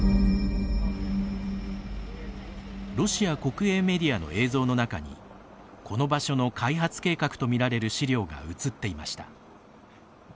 ロシア国営メディアの映像の中にこの場所の開発計画とみられる資料が映っていました。